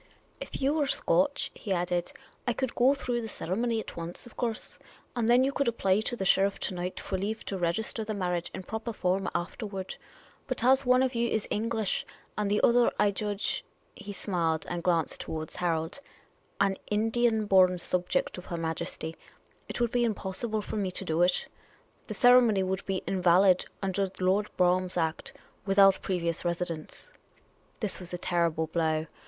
" If you were Scotch," he added, " I could go through the ceremony at once, of course ; and then you could apply to the sheriff to night for leave to register the marriage in proper form afterward ; but as one of you is English, and the other, I judge "— he smiled and glanced towards Harold —" an Indian born subject of Her Majesty, it would be impossible for me to do it : the ceremony would be invalid, under Lord Brougham's Act, without previous residence. '' This was a terrible blow.